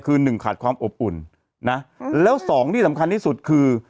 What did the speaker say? คือหนึ่งขาดความอบอุ่นนะแล้วสองที่สำคัญที่สุดคือ